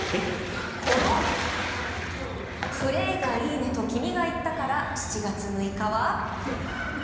このプレーがいいねと君が言ったから７月６日は。